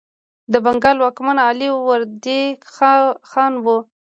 د بنګال واکمن علي وردي خان و.